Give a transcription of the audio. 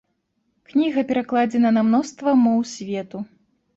Кніга перакладзена на мноства моў свету.